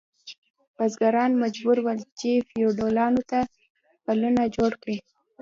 بزګران مجبور ول چې فیوډالانو ته پلونه جوړ کړي.